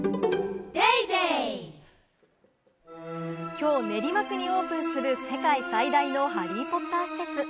きょう練馬区にオープンする、世界最大のハリー・ポッター施設。